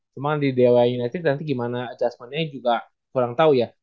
cuma di dewa united nanti gimana adjustmentnya juga kurang tahu ya